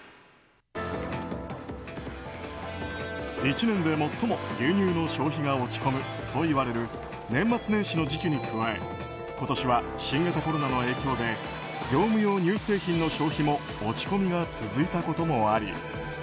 １年で最も牛乳の消費が落ち込むといわれる年末年始の時期に加え今年は新型コロナの影響で業務用乳製品の消費も落ち込みが続いたこともあり